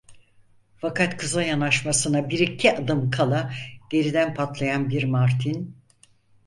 Fakat kıza yanaşmasına bir iki adım kala, geriden patlayan bir martin.